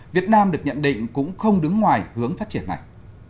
việt nam được nhận định cũng không đứng ngoài hướng phát triển này